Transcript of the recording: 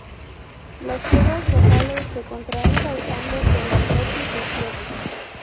Las cuerdas vocales se contraen causando que la glotis se cierre.